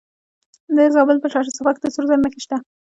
د زابل په شهر صفا کې د سرو زرو نښې شته.